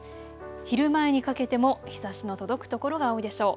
昼前にかけても日ざしの届く所が多いでしょう。